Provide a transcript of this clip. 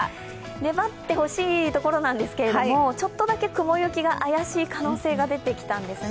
粘ってほしいところなんですけど、ちょっとだけ雲行きが怪しい可能性が出てきたんですね。